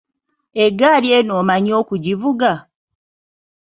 Eggali eno omanyi okugivuga?